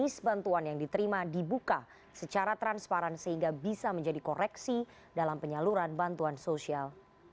sehingga bisa menjadi koreksi dalam penyaluran bantuan sosial